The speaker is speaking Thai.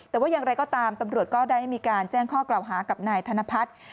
แต่ว่าอย่างไรก็ตามตำรวจก็ได้มีการแจ้งข้อกล่าวหากับนายธนพัฒน์